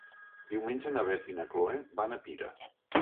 Diumenge na Beth i na Chloé van a Pira.